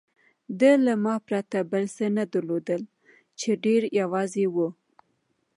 ده له ما پرته بل څه نه درلودل، چې ډېر یوازې و.